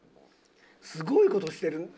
すごい事してる。